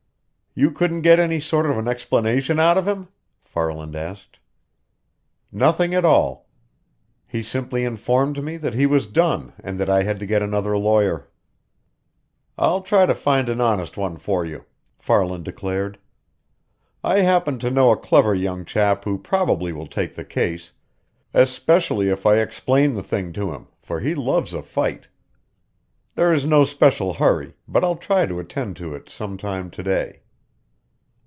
"You couldn't get any sort of an explanation out of him?" Farland asked. "Nothing at all. He simply informed me that he was done, and that I had to get another lawyer." "I'll try to find an honest one for you," Farland declared. "I happen to know a clever young chap who probably will take the case, especially if I explain the thing to him, for he loves a fight. There is no special hurry, but I'll try to attend to it some time to day."